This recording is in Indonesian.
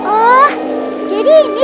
oh jadi ini